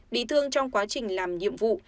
bị thương trong quá trình làm nhiệm vụ